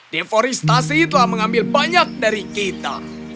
deforestasi telah mengambil banyak dari kita